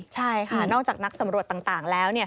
ใช่ค่ะนอกจากนักสำรวจต่างแล้ว